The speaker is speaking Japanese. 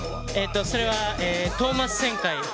それはトーマス旋回。